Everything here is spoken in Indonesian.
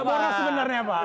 agak moros sebenarnya pak